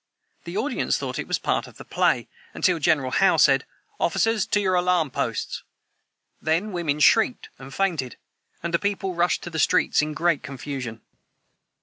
The audience thought it was part of the play, until General Howe said, "Officers, to your alarm posts!" Then women shrieked and fainted, and the people rushed to the streets in great confusion.